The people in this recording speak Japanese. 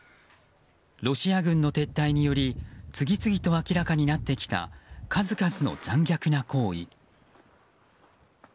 ロシア軍の撤退により次々と明らかになってきた数々の残虐な行為。